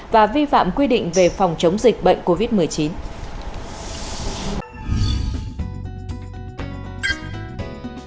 và vi phạm quy định về phòng chống dịch bệnh covid một mươi chín